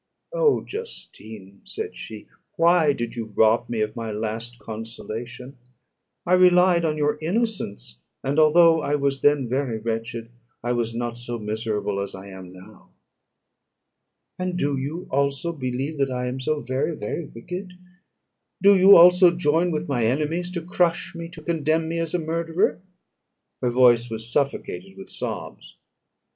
"Oh, Justine!" said she, "why did you rob me of my last consolation? I relied on your innocence; and although I was then very wretched, I was not so miserable as I am now." "And do you also believe that I am so very, very wicked? Do you also join with my enemies to crush me, to condemn me as a murderer?" Her voice was suffocated with sobs.